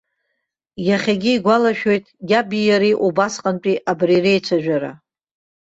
Иахьагьы игәалашәоит иаби иареи убасҟантәи абри реицәажәара.